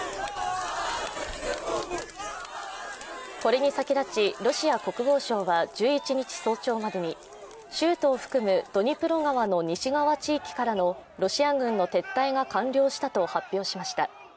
これに先立ち、ロシア国防省は１１日早朝までに州都を含むドニプロ川の西側地域からのロシア軍の撤退が完了したと発表しました。